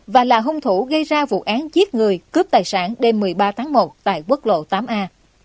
và là hung thủ gây ra vụ án giết người cướp tài sản đêm một mươi ba tháng một tại quốc lộ tám a